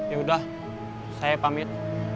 ya udah saya pamit